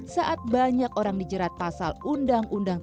saat banyak orang dijerat pasal undang undang